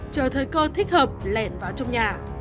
chờ thời cơ thích hợp lẹn vào trong nhà